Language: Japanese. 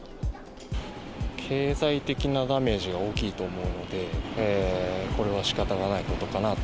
経済的なダメージが大きいと思うので、これはしかたがないことかなと。